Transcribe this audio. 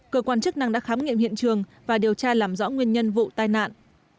cơ quan chức năng đã khám nghiệm hiện trường và điều tra làm rõ nguyên nhân vụ tai nạn